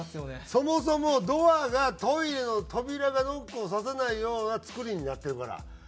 そもそもドアがトイレの扉がノックをさせないような作りになってるから。